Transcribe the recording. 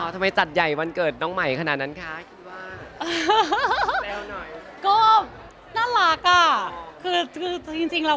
ทำไมจัดใหญ่วันเกิดน้องใหม่ขนาดนั้นคะ